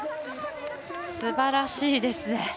すばらしいですね。